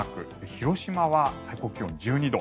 広島は最高気温１２度。